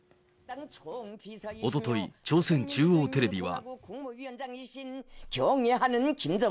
おととい、朝鮮中央テレビは。